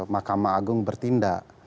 makam agung bertindak